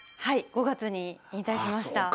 ５月に引退しました。